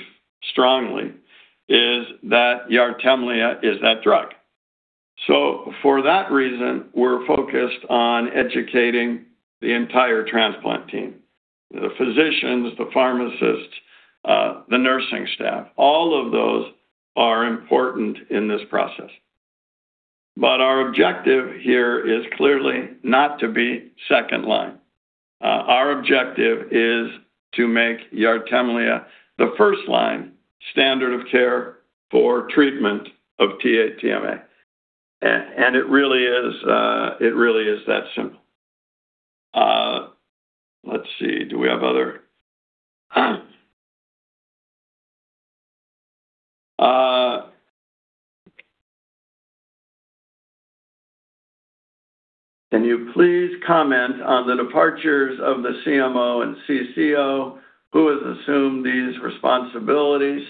strongly, is that YARTEMLEA is that drug. For that reason, we're focused on educating the entire transplant team, the physicians, the pharmacists, the nursing staff. All of those are important in this process. Our objective here is clearly not to be second line. Our objective is to make YARTEMLEA the first-line standard of care for treatment of TA-TMA. It really is that simple. Let's see. Can you please comment on the departures of the CMO and CCO? Who has assumed these responsibilities?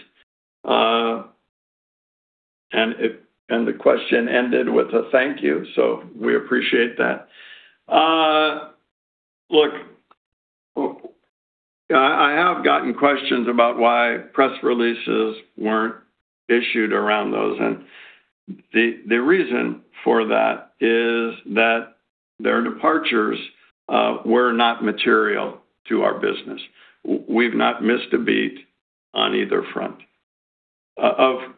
The question ended with a thank you, so we appreciate that. Look, I have gotten questions about why press releases weren't issued around those, and the reason for that is that their departures were not material to our business. We've not missed a beat on either front.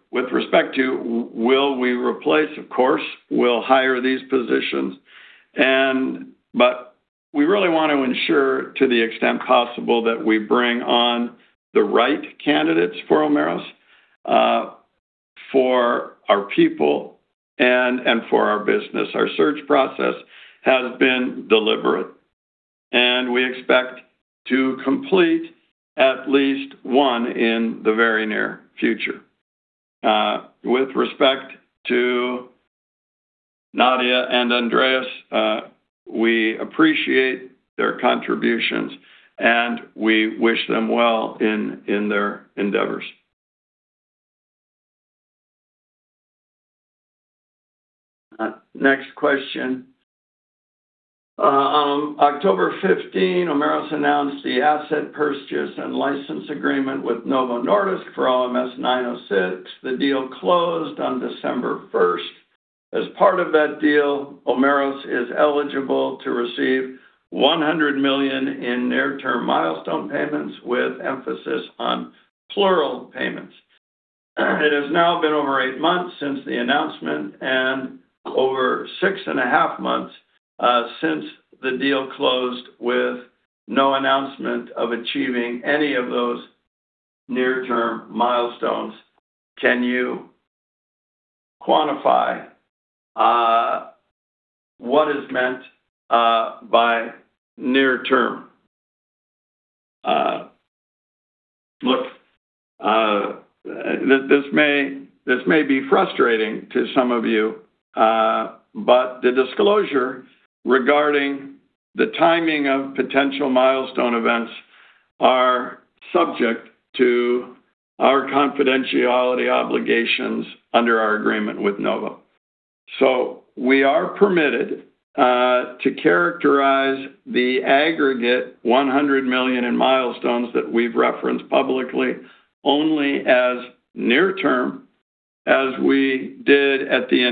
With respect to will we replace, of course, we'll hire these positions. But we really want to ensure to the extent possible that we bring on the right candidates for Omeros, for our people and for our business. Our search process has been deliberate, and we expect to complete at least one in the very near future. With respect to Nadia and Andreas, we appreciate their contributions, and we wish them well in their endeavors. Next question. On October 15, Omeros announced the asset purchase and license agreement with Novo Nordisk for OMS906. The deal closed on December 1st. As part of that deal, Omeros is eligible to receive $100 million in near-term milestone payments, with emphasis on plural payments. It has now been over eight months since the announcement and over six and a half months since the deal closed with no announcement of achieving any of those near-term milestones. Can you quantify what is meant by near term? Look, this may be frustrating to some of you, but the disclosure regarding the timing of potential milestone events are subject to our confidentiality obligations under our agreement with Novo. So we are permitted to characterize the aggregate $100 million in milestones that we've referenced publicly only as near term as we did at the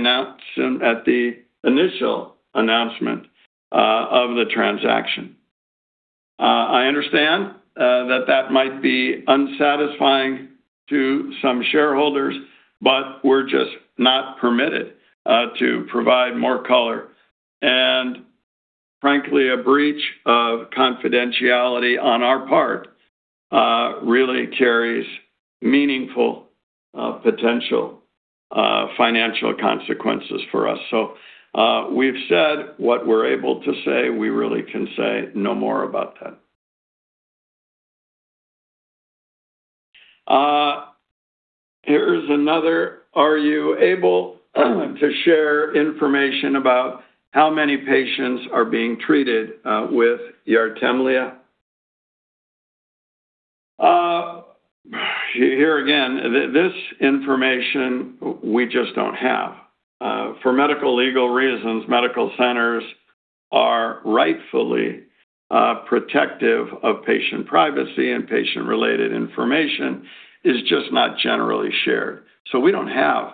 initial announcement of the transaction. I understand that that might be unsatisfying to some shareholders, but we're just not permitted to provide more color. Frankly, a breach of confidentiality on our part really carries meaningful potential financial consequences for us. We've said what we're able to say. We really can say no more about that. Here's another. "Are you able to share information about how many patients are being treated with YARTEMLEA?" Again, this information we just don't have. For medical legal reasons, medical centers are rightfully protective of patient privacy, and patient related information is just not generally shared. We don't have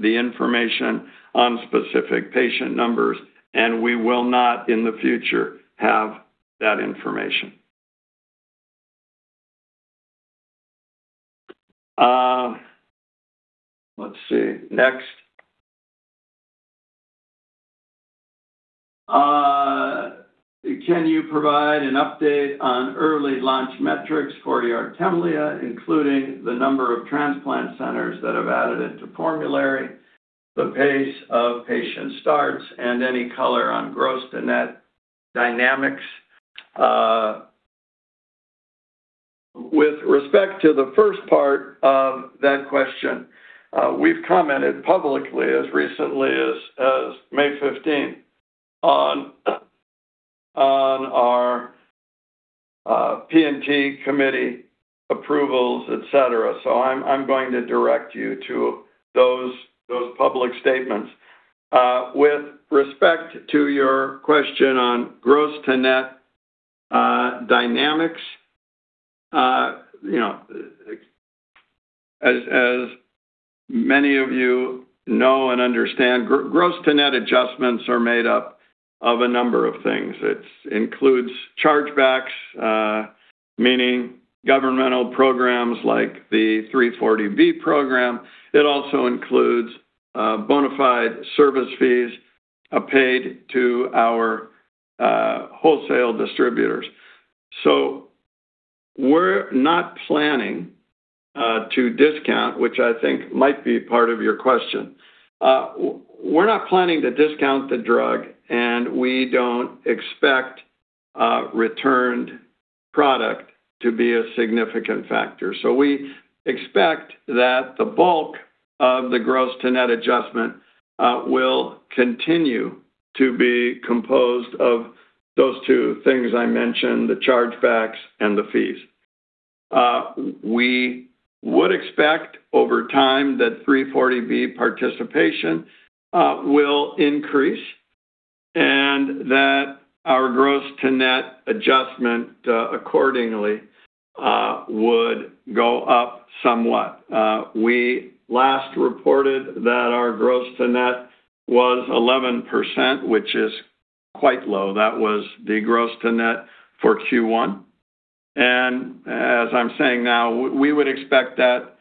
the information on specific patient numbers, and we will not in the future have that information. Let's see. Next. Can you provide an update on early launch metrics for YARTEMLEA, including the number of transplant centers that have added it to formulary, the pace of patient starts, and any color on gross to net dynamics?" With respect to the first part of that question, we've commented publicly as recently as May 15 on our P&T committee approvals, et cetera. I'm going to direct you to those public statements. With respect to your question on gross to net dynamics, as many of you know and understand, gross to net adjustments are made up of a number of things. It includes chargebacks, meaning governmental programs like the 340B program. It also includes bona fide service fees paid to our wholesale distributors. We're not planning to discount, which I think might be part of your question. We're not planning to discount the drug, and we don't expect returned product to be a significant factor. We expect that the bulk of the gross to net adjustment will continue to be composed of those two things I mentioned, the chargebacks and the fees. We would expect over time that 340B participation will increase and that our gross to net adjustment accordingly would go up somewhat. We last reported that our gross to net was 11%, which is quite low. That was the gross to net for Q1. As I'm saying now, we would expect that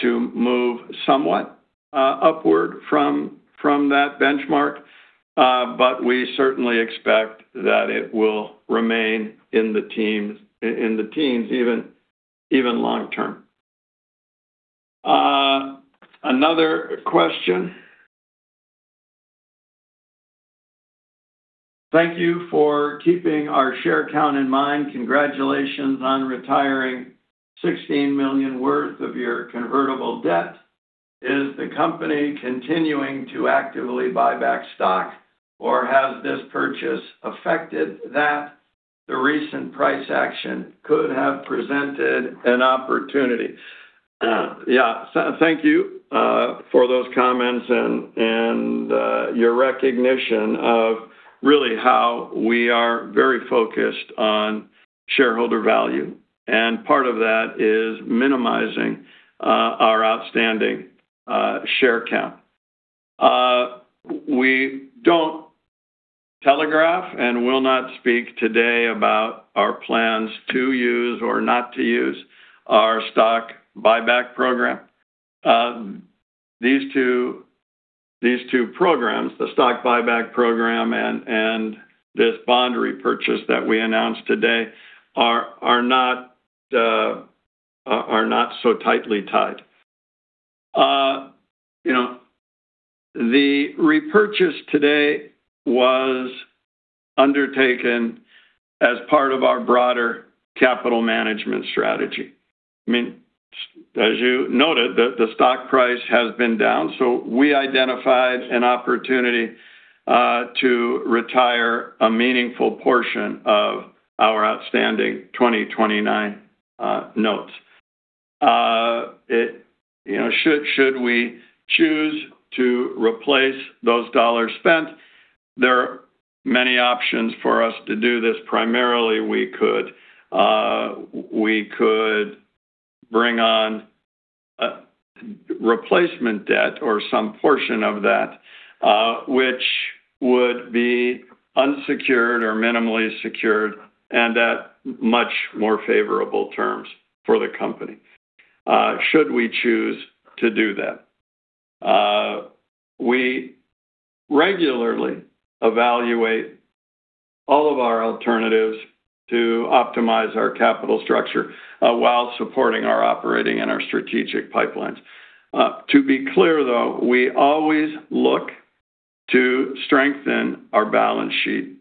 to move somewhat upward from that benchmark. We certainly expect that it will remain in the teens even long term. Another question. "Thank you for keeping our share count in mind. Congratulations on retiring $16 million worth of your convertible debt. Is the company continuing to actively buy back stock, or has this purchase affected that? The recent price action could have presented an opportunity." Thank you for those comments and your recognition of really how we are very focused on shareholder value, part of that is minimizing our outstanding share count. We don't telegraph and will not speak today about our plans to use or not to use our stock buyback program. These two programs, the stock buyback program and this bond repurchase that we announced today, are not so tightly tied. The repurchase today was undertaken as part of our broader capital management strategy. You noted, the stock price has been down, we identified an opportunity to retire a meaningful portion of our outstanding 2029 notes. Should we choose to replace those dollars spent, there are many options for us to do this. Primarily, we could bring on replacement debt or some portion of that which would be unsecured or minimally secured and at much more favorable terms for the company should we choose to do that. We regularly evaluate all of our alternatives to optimize our capital structure while supporting our operating and our strategic pipelines. To be clear, though, we always look to strengthen our balance sheet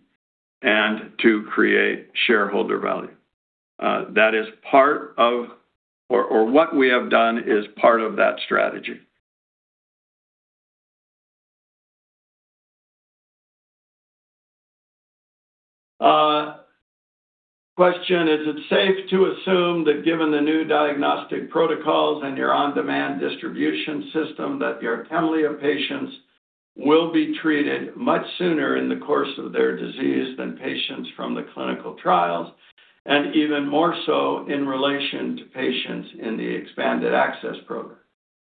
and to create shareholder value. What we have done is part of that strategy. Question, "Is it safe to assume that given the new diagnostic protocols and your on-demand distribution system, that your YARTEMLEA patients will be treated much sooner in the course of their disease than patients from the clinical trials, and even more so in relation to patients in the expanded access program?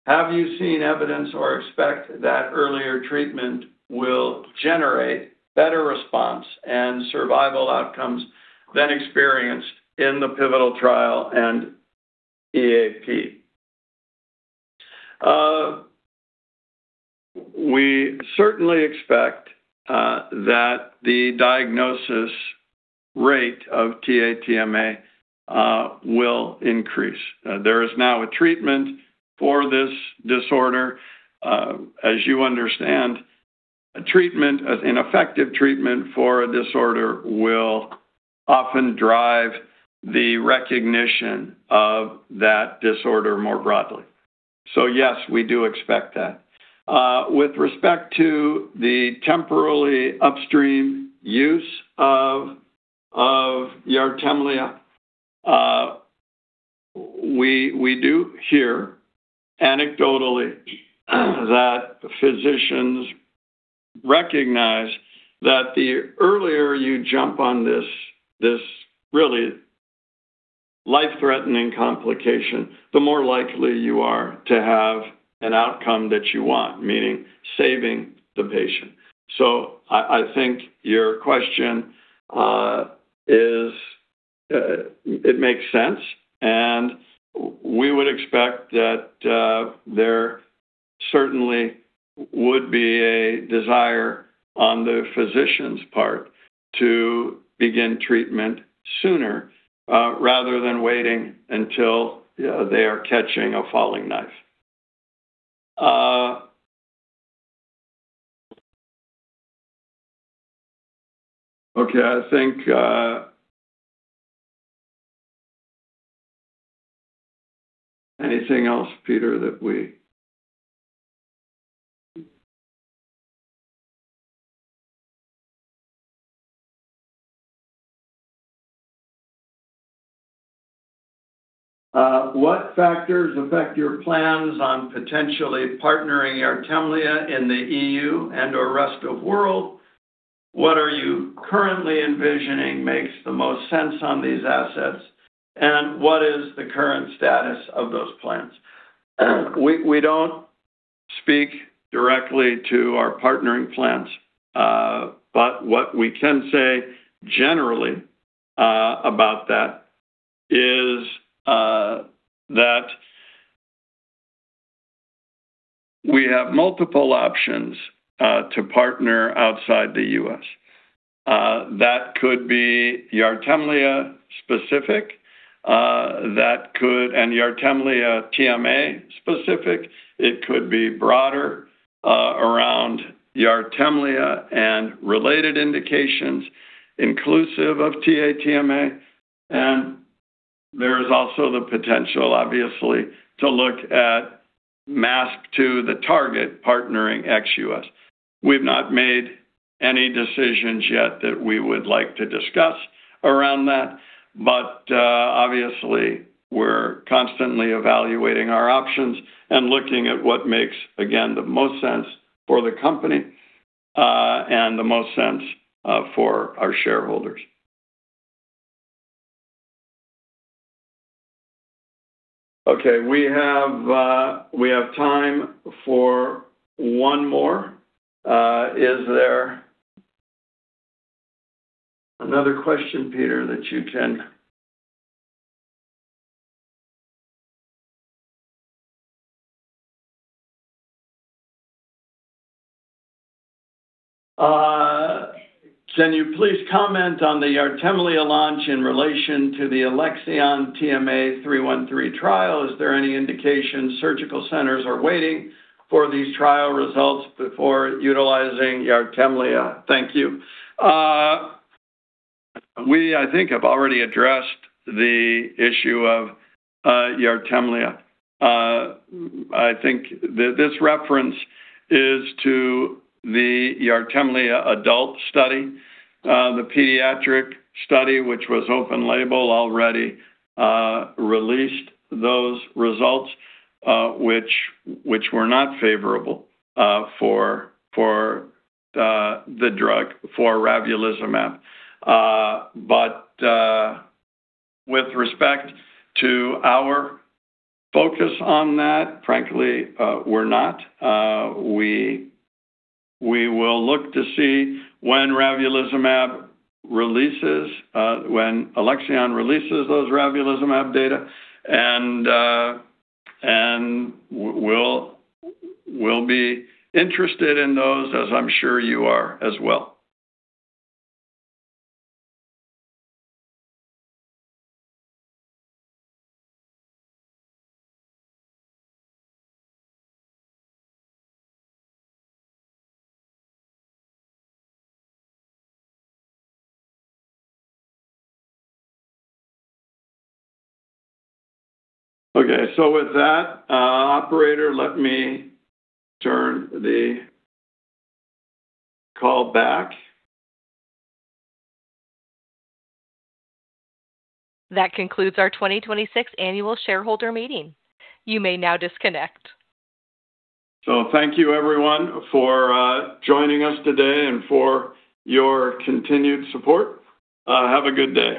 Have you seen evidence or expect that earlier treatment will generate better response and survival outcomes than experienced in the pivotal trial and EAP?" We certainly expect that the diagnosis rate of TA-TMA will increase. There is now a treatment for this disorder. As you understand, an effective treatment for a disorder will often drive the recognition of that disorder more broadly. Yes, we do expect that. With respect to the temporally upstream use of YARTEMLEA, we do hear anecdotally that physicians recognize that the earlier you jump on this really life-threatening complication, the more likely you are to have an outcome that you want, meaning saving the patient. I think your question makes sense, and we would expect that there certainly would be a desire on the physician's part to begin treatment sooner rather than waiting until they are catching a falling knife. Okay. Anything else, Peter, that we "What factors affect your plans on potentially partnering YARTEMLEA in the EU and/or rest of world? What are you currently envisioning makes the most sense on these assets, and what is the current status of those plans?" We don't speak directly to our partnering plans. What we can say generally about that is that we have multiple options to partner outside the U.S. That could be YARTEMLEA specific and YARTEMLEA TMA specific. It could be broader around YARTEMLEA and related indications inclusive of TA-TMA. There is also the potential, obviously, to look at MASP-2, the target partnering ex-U.S. We've not made any decisions yet that we would like to discuss around that. Obviously, we're constantly evaluating our options and looking at what makes, again, the most sense for the company and the most sense for our shareholders. Okay, we have time for one more. Is there another question, Peter, that you can "Can you please comment on the YARTEMLEA launch in relation to the Alexion TMA-313 trial? Is there any indication surgical centers are waiting for these trial results before utilizing YARTEMLEA? Thank you." We, I think, have already addressed the issue of YARTEMLEA. I think this reference is to the YARTEMLEA adult study. The pediatric study, which was open label, already released those results which were not favorable for the drug, for ravulizumab. With respect to our focus on that, frankly, we're not. We will look to see when Alexion releases those ravulizumab data, and we'll be interested in those, as I'm sure you are as well. Okay. With that, operator, let me turn the call back. That concludes our 2026 annual shareholder meeting. You may now disconnect. Thank you, everyone, for joining us today and for your continued support. Have a good day.